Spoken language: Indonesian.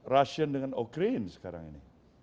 rusia dengan ukraine sekarang ini